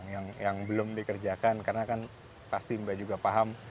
yang belum dikerjakan karena kan pasti mbak juga paham